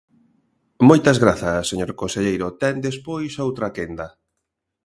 Moitas grazas, señor conselleiro, ten despois outra quenda.